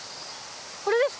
これですか？